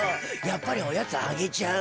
やっぱりおやつあげちゃう。